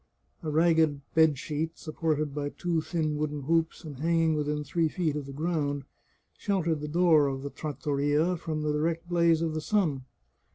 A ragged bed sheet, supported by two thin wooden hoops and hanging within three feet of the ground, sheltered the door of the trattoria from the direct blaze of the sun.